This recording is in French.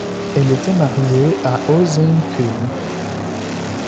Elle était mariée à Oh Seung-Keun.